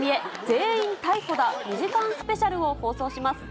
全員逮捕だ２時間スペシャルを放送します。